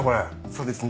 そうですね。